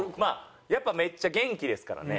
やっぱめっちゃ元気ですからね。